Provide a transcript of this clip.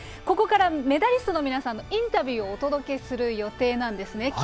ここからメダリストの皆さんのインタビューをお届けする予定なんですね。